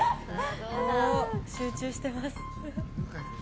集中してます。